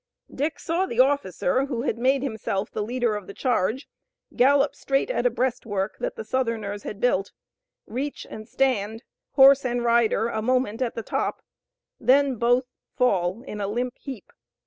Dick saw the officer who had made himself the leader of the charge gallop straight at a breastwork that the Southerners had built, reach and stand, horse and rider, a moment at the top, then both fall in a limp heap.